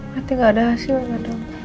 nanti nggak ada hasil ma dong